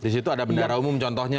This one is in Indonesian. di situ ada bendera umum contohnya